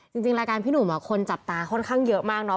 จริงรายการพี่หนุ่มคนจับตาค่อนข้างเยอะมากเนาะ